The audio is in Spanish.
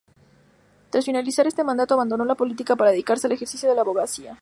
Tras finalizar ese mandato, abandonó la política para dedicarse al ejercicio de la abogacía.